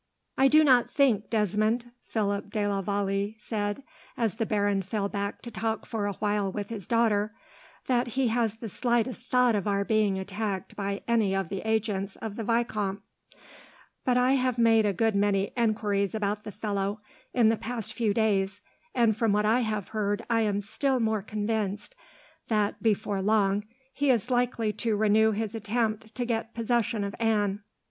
"I do not think, Desmond," Philip de la Vallee said, as the baron fell back to talk for a while with his daughter, "that he has the slightest thought of our being attacked by any of the agents of the vicomte; but I have made a good many enquiries about the fellow, in the past few days, and from what I have heard I am still more convinced that, before long, he is likely to renew his attempt to get possession of Anne.